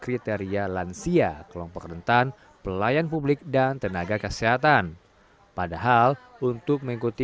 kriteria lansia kelompok rentan pelayan publik dan tenaga kesehatan padahal untuk mengikuti